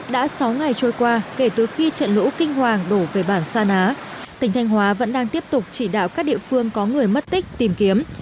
đã sáu ngày trôi qua kể từ khi trận lũ kinh hoàng đổ về bản sa ná tỉnh thanh hóa vẫn đang tiếp tục chỉ đạo các địa phương có người mất tích tìm kiếm